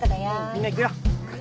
みんな行くよ。